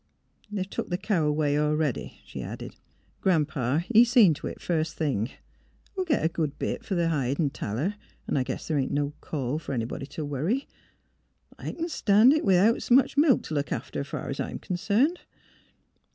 '' They've took the cow away a 'ready," she added. '' Gran 'pa, he seen t' it first thing. We'll git a good bit fer the hide and taller, 'n' I guess th' ain't no call fer anybody to worry. I c'n stan' it 'ithout s' much milk t' look after, fur 's I'm concerned."